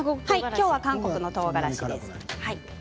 今日は韓国のとうがらしです。